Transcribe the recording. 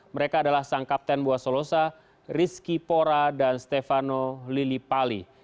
mereka adalah sang kapten buah solosa rizky pora dan stefano lilipali